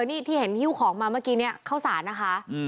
นี่ที่เห็นฮิ้วของมาเมื่อกี้เนี่ยเข้าสารนะคะ